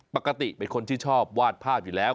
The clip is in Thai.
ปกติเป็นคนที่ชอบวาดภาพอยู่แล้ว